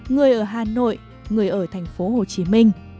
người ở hà nội người ở thành phố hồ chí minh